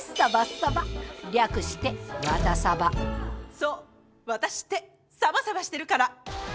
そうワタシってサバサバしてるから！